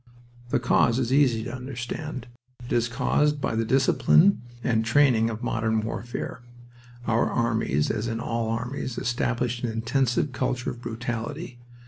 The cause is easy to understand. It is caused by the discipline and training of modern warfare. Our armies, as all armies, established an intensive culture of brutality.